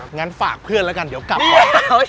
งั้นฝากเพื่อนล่ะกันเดี๋ยวกลับออกนะเนี่ยแบบนี้นะฮะแบบนี้